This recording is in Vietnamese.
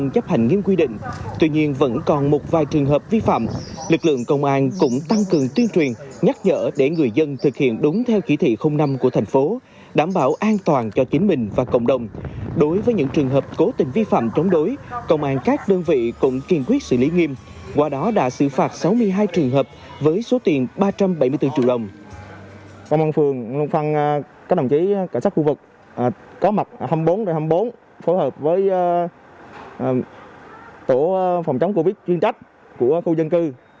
công an phường phân các đồng chí cảnh sát khu vực có mặt hai mươi bốn h hai mươi bốn phối hợp với tổ phòng chống covid chuyên trách của khu dân cư